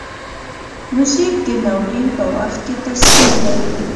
موزیک د ناورین په وخت کې تسکین دی.